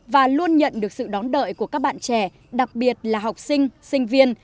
và luôn nhận được sự đón đợi của các bạn trẻ đặc biệt là học sinh sinh viên